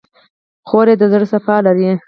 خور د زړه صفا لري.